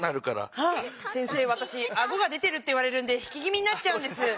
先生わたしアゴが出てるって言われるんで引き気みになっちゃうんです。